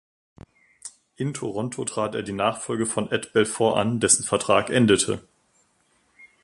In Toronto trat er die Nachfolge von Ed Belfour an, dessen Vertrag endete.